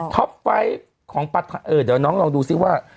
็อปไฟต์ของเดี๋ยวน้องลองดูซิว่า